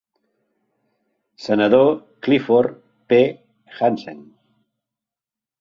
Senador Clifford P. Hansen.